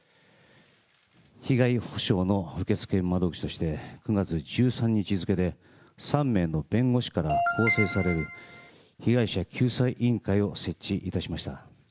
被害補償の受付窓口として、９月１３日付で３名の弁護士から構成される被害者救済委員会を設置いたしました。